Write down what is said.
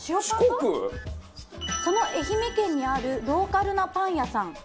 その愛媛県にあるローカルなパン屋さん